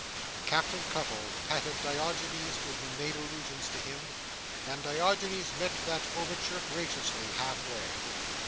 Captain Cuttle patted Diogenes when he made allusion to him, and Diogenes met that overture graciously, half way.